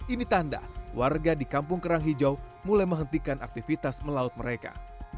ini tanda warga di kampung kerang hijau mulai menghentikan aktivitas melaut mereka